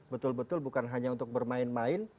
betul betul bukan hanya untuk bermain main